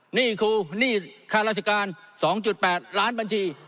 หนี้ครูหนี้ค่าราชการสองจุดแปดล้านบัญชี